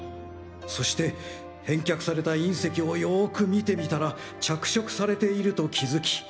そして返却された隕石をよく見てみたら着色されていると気付き